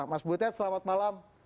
mas butet selamat malam